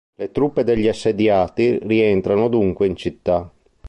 Le truppe degli assediati rientrano dunque in città.